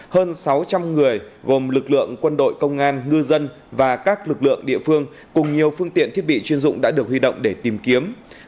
hơn sáu trăm linh người gồm lực lượng quân đội công an ngư dân và các lực lượng địa phương cùng nhiều phương tiện thiết bị chuyên dụng đã được huy động để tìm kiếm